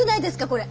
これ。